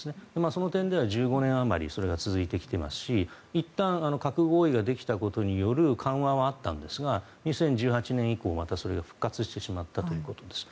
その点では１５年あまりそれが続いてきていますしいったん核合意ができたことによる緩和はあったんですが２０１８年以降またそれが復活してしまったということです。